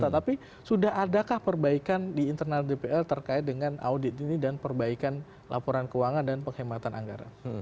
tapi sudah adakah perbaikan di internal dpr terkait dengan audit ini dan perbaikan laporan keuangan dan penghematan anggaran